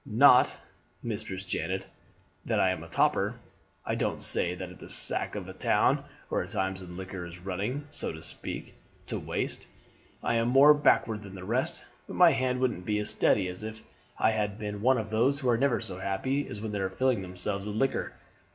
Not, Mistress Janet, that I am a toper. I don't say that at the sack of a town, or at times when liquor is running, so to speak, to waste, I am more backward than the rest; but my hand wouldn't be as steady as it is if I had been one of those who are never so happy as when they are filling themselves with liquor.